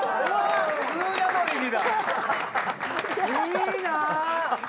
いいなぁ！